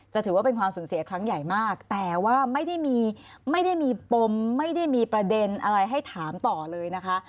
ถือว่าเป็นความสูญเสียครั้งใหญ่มากแต่ว่าไม่ได้มีไม่ได้มีปมไม่ได้มีประเด็นอะไรให้ถามต่อเลยนะคะ